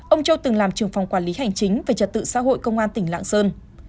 ông châu từng làm trưởng phòng quản lý hành chính về trật tự xã hội công an tỉnh lạng sơn